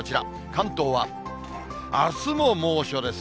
関東はあすも猛暑です。